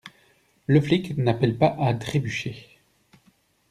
Le flic n'appelle pas à trébucher.